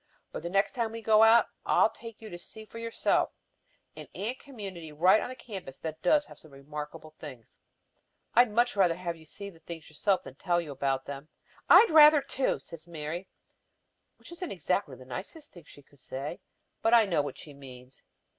But the next time we go out, I'll take you to see for yourself an ant community right on the campus that does some remarkable things. I'd much rather have you see the things yourself than tell you about them." "I'd rather, too," says Mary, which isn't exactly the nicest thing she could say, but I know what she means.